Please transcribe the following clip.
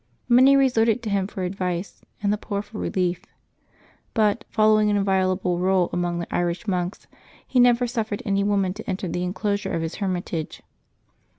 Many resorted to him for advice, and the \x)Ov for relief. But, following an inviolable rule among the Irish monks, he never suffered any woman to enter the enclosure of his hermitage.